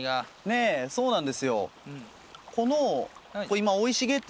ねえそうなんですよ。